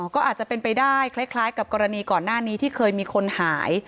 ก็อาจจะเป็นไปได้คล้ายกับกรณีก่อนหน้านี้ที่เคยมีคนหาย